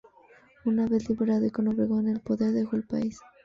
Una vez liberado y con Obregón en el poder dejó el país.